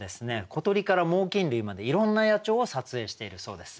小鳥から猛きん類までいろんな野鳥を撮影しているそうです。